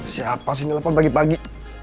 siapa sih ini lepas pagi pagi